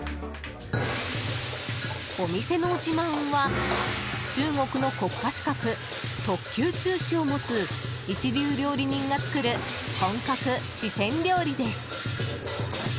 お店の自慢は中国の国家資格、特級厨師を持つ一流料理人が作る本格四川料理です。